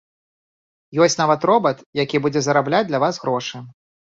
Ёсць нават робат які будзе зарабляць для вас грошы.